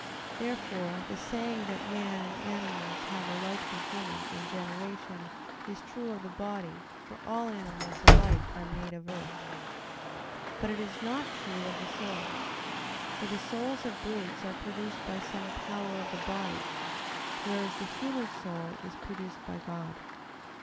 Therefore the saying that man and animals have a like beginning in generation is true of the body; for all animals alike are made of earth. But it is not true of the soul. For the souls of brutes are produced by some power of the body; whereas the human soul is produced by God.